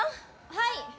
・はい！